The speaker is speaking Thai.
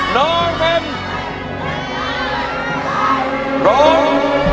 น้องเบนร้อง